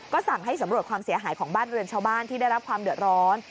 สั่งให้สำรวจความเสียหายของบ้านเรือนชาวบ้านที่ได้รับความเดือดร้อน